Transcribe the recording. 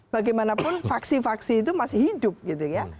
bagaimanapun faksi faksi itu masih hidup gitu ya